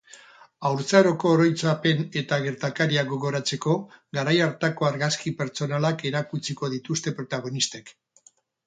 Haurtzaroko oroitzapen eta gertakariak gogoratzeko, garai hartako argazki pertsonalak erakutsiko dituzte protagonistek.